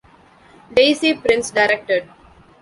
Daisy Prince directed.